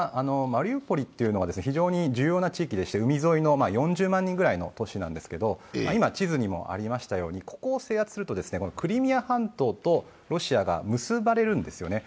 マリウポリというのは非常に重要な都市でして海沿いの４０万人ぐらいの都市なんですけど今、地図にもありましたように、ここを制圧するとクリミア半島とロシアが結ばれるんですよね。